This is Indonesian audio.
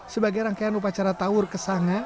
sebagai rangkaian upacara tawur kesanga